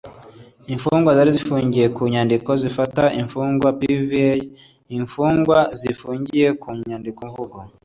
mfungwa zari zifungiye ku nyandiko y ifata n ifunga pva imfungwa zifungiye ku nyandikomvugo